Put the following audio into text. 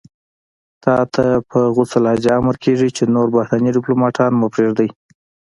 تاته په غوڅه لهجه امر کېږي چې نور بهرني دیپلوماتان مه پرېږدئ.